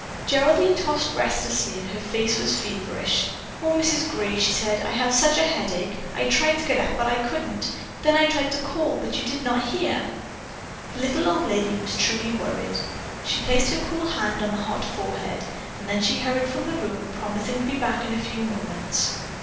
Geraldine tossed restlessly and her face was feverish. "Oh, Mrs. Gray," she said, "I have such a headache. I tried to get up, but I couldn't. Then I tried to call, but you did not hear." The little old lady was truly worried. She placed her cool hand on the hot forehead, and then she hurried from the room, promising to be back in a few moments.